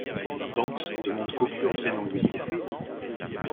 Banks demande qu'Augur vienne en Louisiane.